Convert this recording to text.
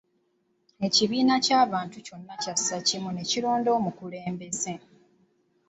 Ekibiina ky’abantu kyonna kyassa kimu ne kironda omukulembeze.